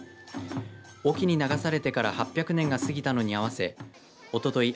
隠岐に流されてから８００年が過ぎたのに合わせおととい